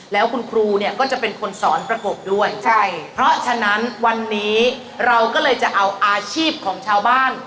แล้วคุณครูเนี่ยก็จะเป็นคนสอนประกบด้วยใช่เพราะฉะนั้นวันนี้เราก็เลยจะเอาอาชีพของชาวบ้าน